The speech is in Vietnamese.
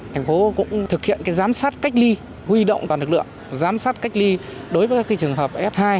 thành phố cũng thực hiện giám sát cách ly huy động toàn lực lượng giám sát cách ly đối với các trường hợp f hai